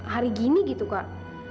hari gini gitu kak